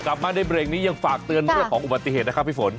กลับมาในเบรกนี้ยังฝากเตือนเรื่องของอุบัติเหตุนะครับพี่ฝน